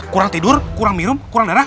kurang tidur kurang minum kurang darah